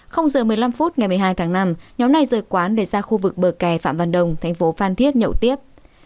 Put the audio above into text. giờ một mươi năm phút ngày một mươi hai tháng năm nhóm này rời quán để ra khu vực bờ kè phạm văn đồng thành phố phan thiết nhậu tiếp